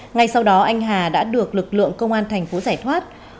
ngay sau đó anh hà đã được lực lượng công an tp giải thoát